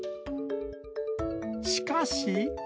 しかし。